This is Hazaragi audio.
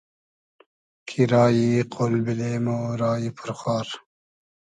کی رایی قۉل بیلې مۉ رایی پور خار